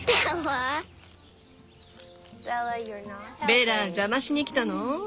ベラ邪魔しにきたの？